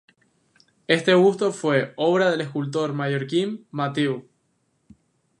Este busto fue obra del escultor mallorquín Matheu.